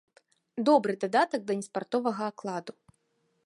Добры дадатак да неспартовага акладу.